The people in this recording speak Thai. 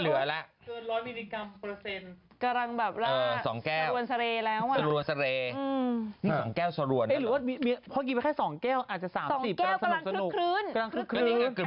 หรือว่าเพราะกินไปแค่๒แก้วอาจจะ๓๐กำลังสนุก